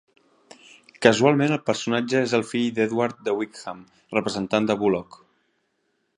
Casualment el personatge és el fill d'Edward de Wickham, representat per Bulloch.